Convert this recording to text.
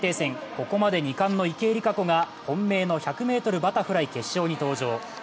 ここまで２冠に池江璃花子が本命の１００ｍバタフライ決勝に登場。